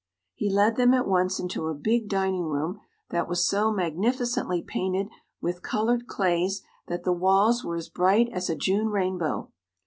He led them at once into a big dining room that was so magnificently painted with colored clays that the walls were as bright as a June rainbow.